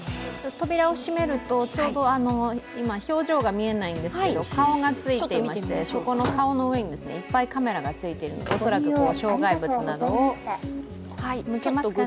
扉を閉めると、ちょうど今、表情が見えないんですけど、顔がついていまして顔の上にいっぱいカメラがついているので恐らく障害物などを。